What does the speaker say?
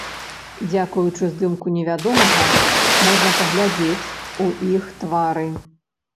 Дзякуючы здымку невядомага можна паглядзець у іх твары.